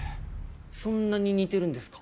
そんなに似てるんですか？